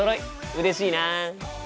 うれしいな。